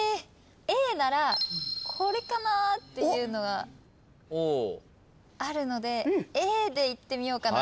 ＡならこれかなっていうのがあるのでＡでいってみようかなと。